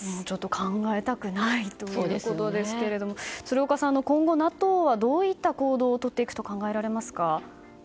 考えたくないということですが鶴岡さん、今後ＮＡＴＯはどういった行動をとっていくと考えられますか？